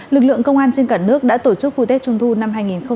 lực lượng công an trên cả nước đã tổ chức khu tết trung thu năm hai nghìn hai mươi